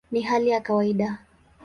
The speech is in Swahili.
Ni hali ya kawaida".